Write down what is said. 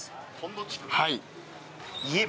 はい。